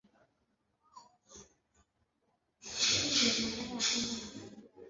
Hasa alichunguza mfumo wa protini mbalimbali.